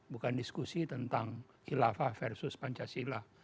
bukan diskusi tentang khilafah versus pancasila